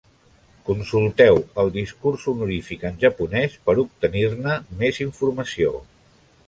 Consulteu el discurs honorífic en japonés per obtenir-ne més informació.